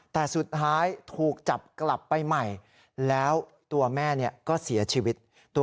แต่สุดท้ายถูกจับกลับไปใหม่แล้วตัวแม่ก็เสียชีวิต